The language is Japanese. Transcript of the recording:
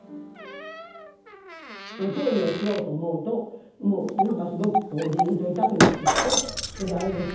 調理をしようと思うともう何かすごくジンと痛くなってきてそれであれですね